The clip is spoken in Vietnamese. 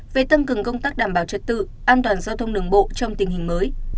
về tăng cường công tác đảm bảo trật tự an toàn giao thông đường bộ trong tình hình mới